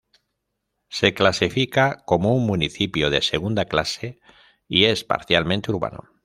Se clasifica como un municipio de segunda clase, y es parcialmente urbano.